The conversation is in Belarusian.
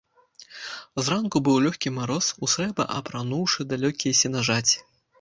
Зранку быў лёгкі мароз, у срэбра апрануўшы далёкія сенажаці.